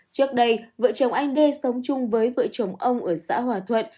trước đây vợ chồng anh đê sống chung với vợ chồng ông ở xã hòa thuận